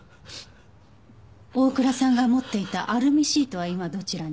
大倉さんが持っていたアルミシートは今どちらに？